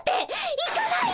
行かないで！